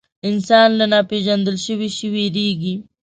انسان له ناپېژندل شوي شي وېرېږي.